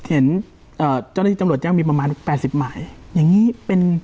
เห็นเจ้าหน้าที่จำลชน์แหล้งมีประมาณ๘๐หมายอย่างนี้เป็น